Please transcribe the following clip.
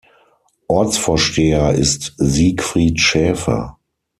Ortsvorsteher ist Siegfried Schäfer.